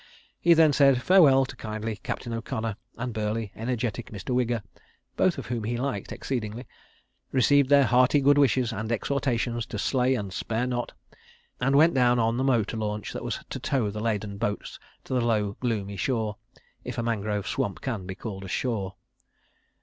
... He then said "Farewell" to kindly Captain O'Connor and burly, energetic Mr. Wigger—both of whom he liked exceedingly—received their hearty good wishes and exhortations to slay and spare not, and went down on the motor launch that was to tow the laden boats to the low gloomy shore—if a mangrove swamp can be called a shore.